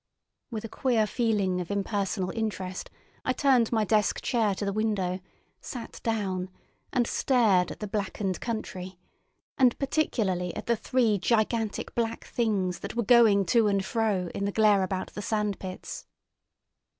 With a queer feeling of impersonal interest I turned my desk chair to the window, sat down, and stared at the blackened country, and particularly at the three gigantic black things that were going to and fro in the glare about the sand pits.